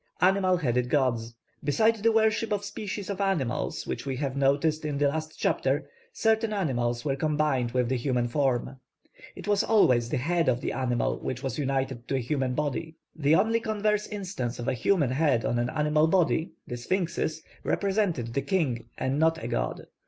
+Animal Headed Gods+. Beside the worship of species of animals, which we have noticed in the last chapter, certain animals were combined with the human form. It was always the head of the animal which was united to a human body; the only converse instance of a human head on an animal body the sphinxes represented the king and not a god.